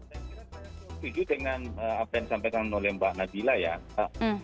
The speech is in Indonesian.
saya kira saya setuju